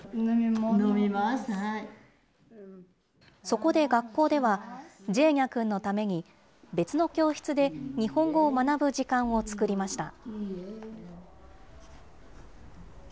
そこで学校では、ジェーニャ君のために、別の教室で日本語を学ぶ時間を作りました。